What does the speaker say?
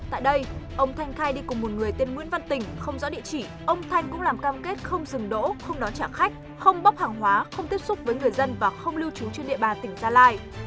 một người tên nguyễn văn tỉnh không rõ địa chỉ ông thanh cũng làm cam kết không dừng đỗ không đón chạm khách không bóp hàng hóa không tiếp xúc với người dân và không lưu trú trên địa bàn tỉnh gia lai